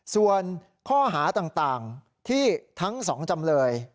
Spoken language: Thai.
ส่วนข้อหาต่างที่ทั้งสองจำเลย